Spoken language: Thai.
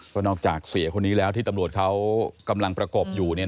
ก็นอกจากเสียคนนี้แล้วที่ตำรวจเขากำลังประกบอยู่